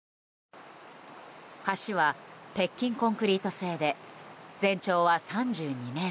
橋は鉄筋コンクリート製で全長は３２ｍ。